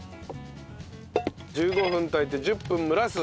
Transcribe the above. １５分炊いて１０分蒸らす。